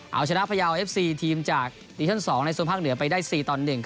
เอาชนะพยาวเอฟซีทีมจากดิชั่น๒ในโซนภาคเหนือไปได้๔ต่อ๑